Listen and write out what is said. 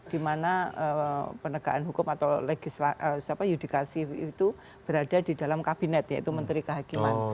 di mana penegaan hukum atau yudikasi itu berada di dalam kabinet yaitu menteri kehakiman